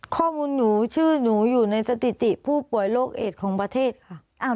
ข้อมูลหนูชื่อหนูอยู่ในสถิติผู้ป่วยโรคเอดของประเทศค่ะ